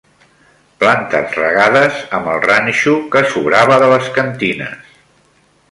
Plantes regades amb el ranxo que sobrava de les cantines